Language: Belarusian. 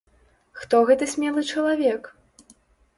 Хто гэты смелы чалавек?